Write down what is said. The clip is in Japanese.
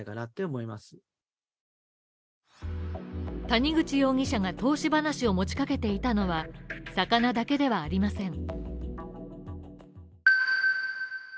谷口容疑者が投資話を持ちかけていたのは、魚だけではありません。